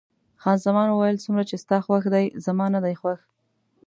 خان زمان وویل: څومره چې ستا خوښ دی، زما نه دی خوښ.